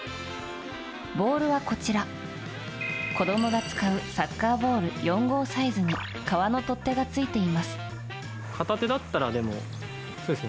ボールはこちら子供が使うサッカーボール４号サイズに革の取っ手がついています。